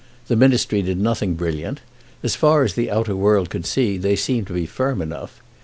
The ministry did nothing brilliant. As far as the outer world could see, they seemed to be firm enough.